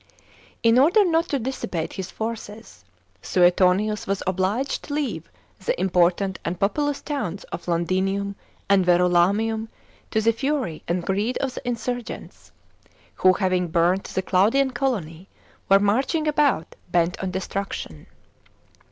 In order not to dissipate his forces, Suetonius was obliged to leave the important and populous towns of Londinium and Verulamium to the fury and greed of the insurgents, who, having burnt the Glaudian colony, were marching about, bent on destruction.